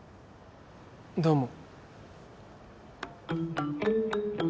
どうも。